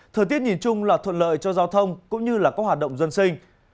thời tiết nhìn chung là thuận lợi cho giao thông cũng như là các hoạt động dân sinh